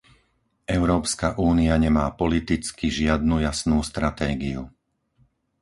Európska únia nemá politicky žiadnu jasnú stratégiu.